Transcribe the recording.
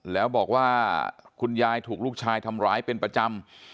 แล้วบอกว่าคุณยายถูกลูกชายทำร้ายเป็นประจำ